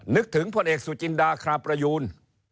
นึกถึงพลเอกสุจินดาคราประยูน